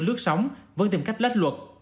lướt sóng vẫn tìm cách lách luật